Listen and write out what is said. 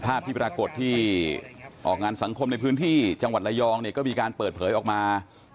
ภาพที่ปรากฏที่ออกงานสังคมในพื้นที่จังหวัดระยองเนี่ยก็มีการเปิดเผยออกมา